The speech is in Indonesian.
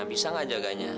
bisa gak jaganya